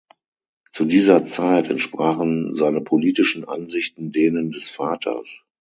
Zu dieser Zeit entsprachen seine politischen Ansichten denen des Vaters.